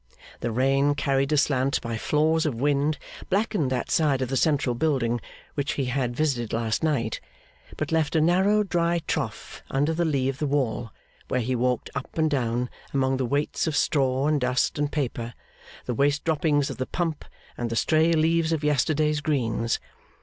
The rain, carried aslant by flaws of wind, blackened that side of the central building which he had visited last night, but left a narrow dry trough under the lee of the wall, where he walked up and down among the waits of straw and dust and paper, the waste droppings of the pump, and the stray leaves of yesterday's greens.